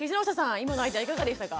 今のアイデアいかがでしたか？